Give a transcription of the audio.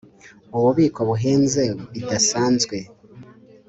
Ububiko buhenze bidasanzwe